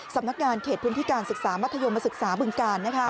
สำนักงานเขตพื้นที่การศึกษามัธยมศึกษาบึงกาล